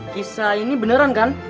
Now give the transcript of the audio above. kisah ini beneran kan